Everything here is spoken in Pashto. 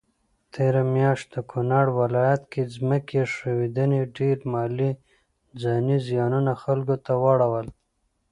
تيره مياشت د کونړ ولايت کي ځمکي ښویدني ډير مالي ځانی زيانونه خلکوته واړول